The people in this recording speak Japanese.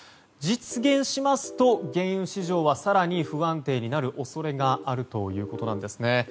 実現しますと原油市場は更に不安定になる恐れがあるということなんです。